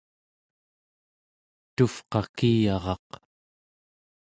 tuvqakiyaraq